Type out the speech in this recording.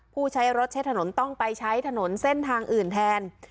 ผู้ใช้รถใช้ถนนต้องไปใช้ถนนเส้นทางอื่นแทน